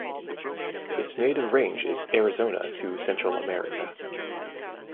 Its native range is Arizona to Central America.